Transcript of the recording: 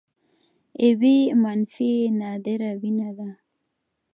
اې بي منفي نادره وینه ده